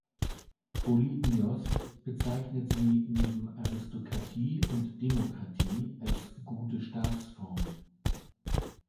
Polybios bezeichnet sie neben Aristokratie und Demokratie als „gute“ Staatsform.